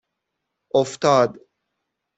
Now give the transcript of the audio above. افتاد